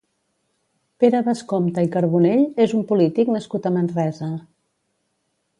Pere Bascompte i Carbonell és un polític nascut a Manresa.